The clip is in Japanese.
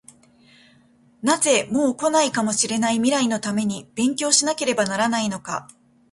なぜ、もう来ないかもしれない未来のために勉強しなければならないのか？